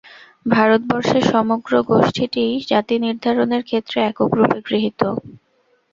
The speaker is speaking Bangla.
ভারতবর্ষে সমগ্র গোষ্ঠীটিই জাতিনির্ধারণের ক্ষেত্রে একক-রূপে গৃহীত।